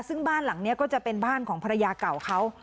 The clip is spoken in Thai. ซึ่งบ้านหลังนี้ก็จะเป็นบ้านของภรรยาเก่าเขา